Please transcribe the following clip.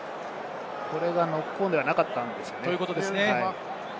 これがノックオンではなかったんですね。